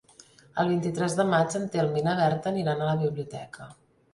El vint-i-tres de maig en Telm i na Berta aniran a la biblioteca.